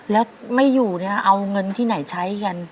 แล้วไม่อยู่เนี่ยเอาเงินที่ไหนใช้กัน